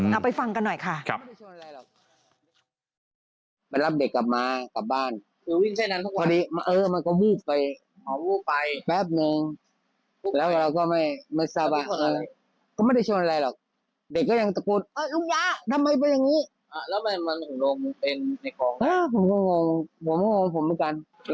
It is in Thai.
เอาไปฟังกันหน่อยค่ะ